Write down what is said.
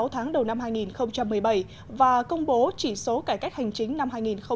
sáu tháng đầu năm hai nghìn một mươi bảy và công bố chỉ số cải cách hành chính năm hai nghìn một mươi tám